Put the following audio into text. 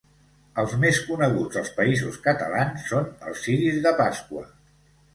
Els més coneguts als Països Catalans són els ciris de Pasqua.